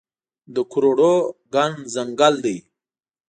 د کروړو ګڼ ځنګل دی